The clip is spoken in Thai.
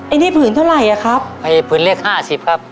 อันนี้ผืนเท่าไหร่อ่ะครับไอ้ผืนเลขห้าสิบครับ